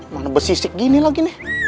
mana besisik gini lagi nih